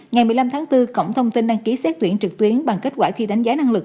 ngày một mươi năm tháng bốn cổng thông tin đăng ký xét tuyển trực tuyến bằng kết quả thi đánh giá năng lực